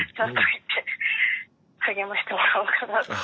励ましてもらおうかなと思って。